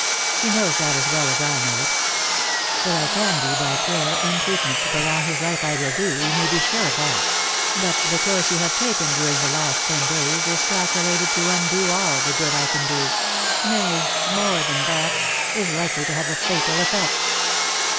He knows that as well as I know it. What I can do by care and treatment to prolong his life I will do, you may be very sure of that ; but the course you have taken during the last ten days is calculated to undo all the good I can do — nay, more than that, is likely to have a fatal effect."